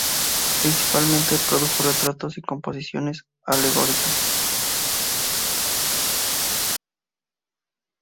Principalmente produjo retratos y composiciones alegóricas.